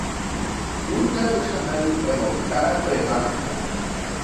দুর্দান্ত সাঁতারু এবং তাড়া করে মাছ ধরে।